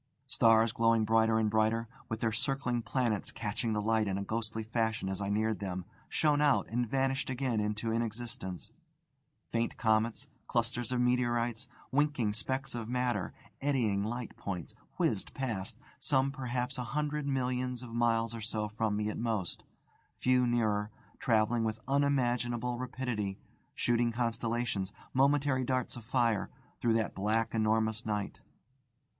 Stars glowing brighter and brighter, with their circling planets catching the light in a ghostly fashion as I neared them, shone out and vanished again into inexistence; faint comets, clusters of meteorites, winking specks of matter, eddying light points, whizzed past, some perhaps a hundred millions of miles or so from me at most, few nearer, travelling with unimaginable rapidity, shooting constellations, momentary darts of fire, through that black, enormous night.